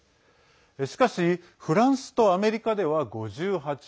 しかしフランスとアメリカでは５８％。